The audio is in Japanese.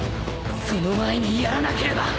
その前にやらなければ！